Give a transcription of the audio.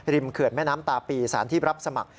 เขื่อนแม่น้ำตาปีสถานที่รับสมัคร